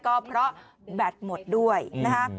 ก็เพราะแบตหมดด้วยนะคะ